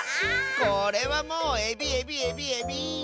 これはもうエビエビエビエビ！